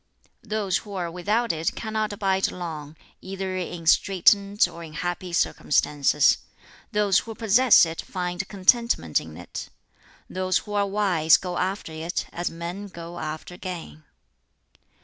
"Those who are without it cannot abide long, either in straitened or in happy circumstances. Those who possess it find contentment in it. Those who are wise go after it as men go after gain.